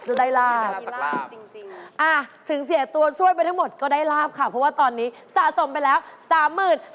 คือได้ลาบจริงถึงเสียตัวช่วยไปทั้งหมดก็ได้ลาบค่ะเพราะว่าตอนนี้สะสมไปแล้วสามหมื่น